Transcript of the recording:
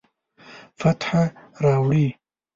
فتح راوړي